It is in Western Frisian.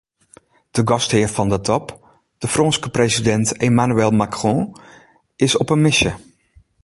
De gasthear fan de top, de Frânske presidint Emmanuel Macron, is op in misje.